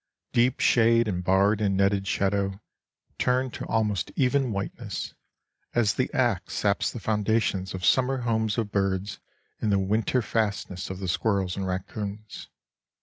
Deep shade and barred and netted shadow turn to almost even whiteness, as the axe saps the foundations of summer homes of birds and the winter fastnesses of the squirrels and raccoons.